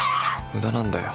無駄なんだよ。